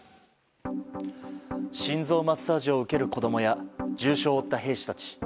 心臓マッサージを受ける子供や重傷を負った兵士たち。